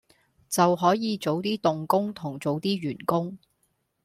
就可以早啲動工同早啲完工